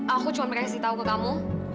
aku cuma mau kasih tau ke kamu